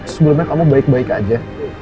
sebelumnya kamu baik baik aja